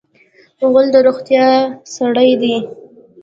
غول د روغتیا سړی دی.